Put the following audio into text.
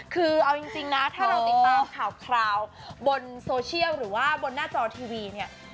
คือเอาจริงนะถ้าเราติดตามข่าวคราวบนโซเชียลหรือว่าบนหน้าจอทีวีเนี่ย